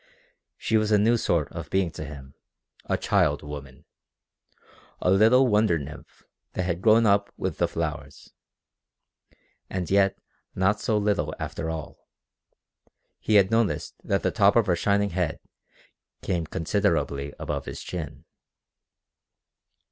She was a new sort of being to him, a child woman, a little wonder nymph that had grown up with the flowers. And yet not so little after all. He had noticed that the top of her shining head came considerably above his chin.